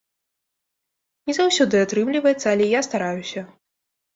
Не заўсёды атрымліваецца, але я стараюся.